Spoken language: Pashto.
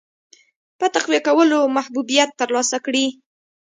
په تقویه کولو محبوبیت ترلاسه کړي.